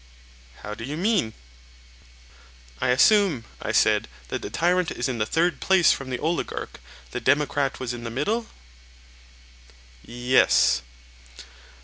How do you mean? I assume, I said, that the tyrant is in the third place from the oligarch; the democrat was in the middle? Yes.